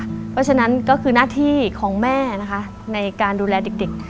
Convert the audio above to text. เพราะฉะนั้นก็คือหน้าที่ของแม่นะคะในการดูแลเด็ก